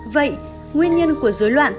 vậy nguyên nhân của dối loạn tăng động